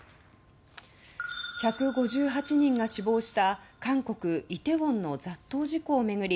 １５８人が死亡した韓国イテウォンの雑踏事故を巡り